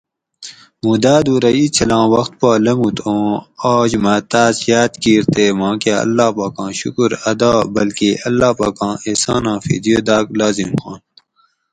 موں دادو رہ ایں چھلاں وخت پا لنگوت اوُں آج مہ تاۤس یاد کِیر تے ما کہ اللّٰہ پاکاں شکر ادا بلکہ اللّٰہ پاکاں احساناں فدیہ داۤگ لازم ھوانت